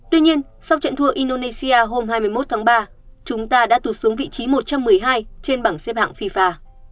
tuy nhiên sau trận thua indonesia hôm hai mươi một tháng ba chúng ta đã tụt xuống vị trí một trăm một mươi hai trên bảng xếp hạng fifa